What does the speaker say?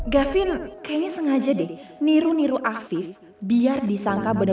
gavin kayaknya sengaja deh niru niru afifatex biar bolu katakani